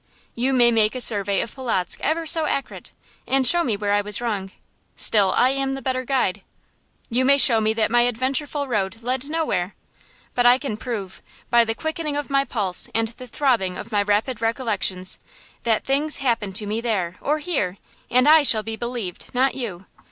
You may make a survey of Polotzk ever so accurate, and show me where I was wrong; still I am the better guide. You may show that my adventureful road led nowhere, but I can prove, by the quickening of my pulse and the throbbing of my rapid recollections, that things happened to me there or here; and I shall be believed, not you.